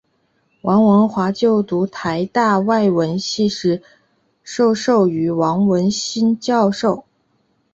王文华就读台大外文系时受教于王文兴教授。